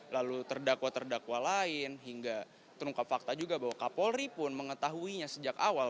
lalu terdakwa terdakwa lain hingga terungkap fakta juga bahwa kapolri pun mengetahuinya sejak awal